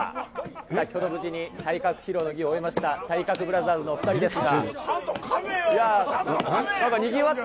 先ほど、無事に体格披露の儀を終えました、体格ブラザーズの２人ですが。